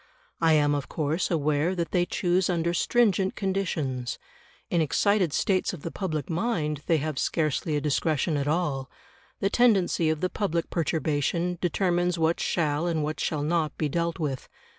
I am of course aware that they choose under stringent conditions. In excited states of the public mind they have scarcely a discretion at all; the tendency of the public perturbation determines what shall and what shall not be dealt with.